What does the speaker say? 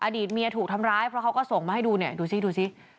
อดีตเมียถูกทำร้ายเพราะเขาก็ส่งมาให้ดูเนี่ยดูสิดูสิ